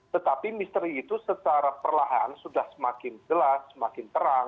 tetapi misteri itu secara perlahan sudah semakin jelas semakin terang